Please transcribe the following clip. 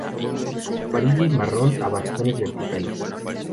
Amarilla y marrón a bastones verticales.